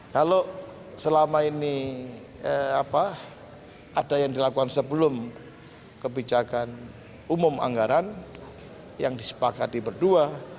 kalau selama ini ada yang dilakukan sebelum kebijakan umum anggaran yang disepakati berdua